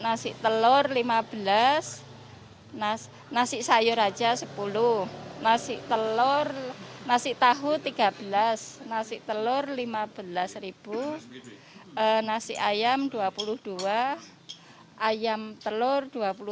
nasi telur lima belas nasi nasi sayur aja sepuluh nasi telur nasi tahu tiga belas nasi telur lima belas nasi ayam dua puluh dua ayam telur dua puluh